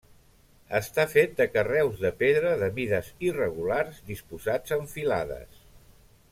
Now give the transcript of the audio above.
Està fet de carreus de pedra de mides irregulars disposats en filades.